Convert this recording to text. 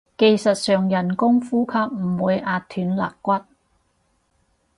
技術上人工呼吸唔會壓斷肋骨